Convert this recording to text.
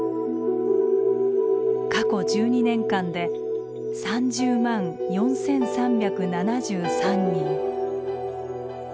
過去１２年間で３０万４，３７３人。